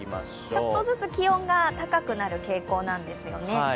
ちょっとずつ気温が高くなる傾向なんですよね。